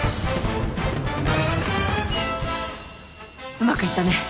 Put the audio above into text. うまくいったね。